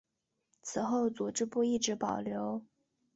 此后组织部一直保留。